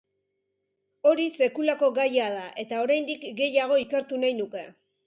Hori sekulako gaia da, eta oraindik gehiago ikertu nahi nuke.